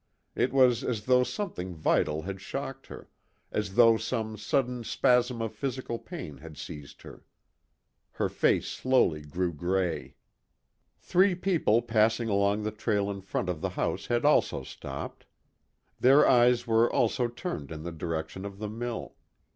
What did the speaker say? It was as though something vital had shocked her, as though some sudden spasm of physical pain had seized her. Her face slowly grew gray. Three people passing along the trail in front of the house had also stopped. Their eyes were also turned in the direction of the mill.